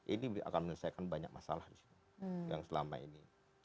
ini akan menyelesaikan banyak masalah yang selama ini